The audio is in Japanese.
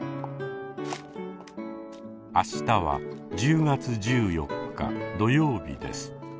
明日は１０月１４日土曜日です。